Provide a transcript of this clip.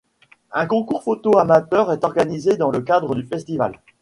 Un concours photos amateurs est organisé dans le cadre du festival.